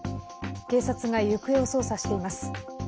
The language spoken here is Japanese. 警察が行方を捜査しています。